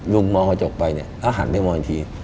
ลุงมองกระจกไปแล้วหันไปมองอีกที